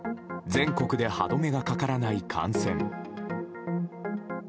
全国で歯止めがかからない感染。